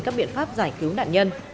các biện pháp giải cứu nạn nhân